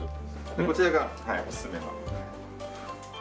こちらがおすすめの。